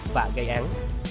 và gây án